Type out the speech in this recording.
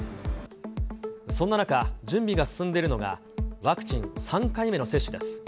そんな中、準備が進んでいるのが、ワクチン３回目の接種です。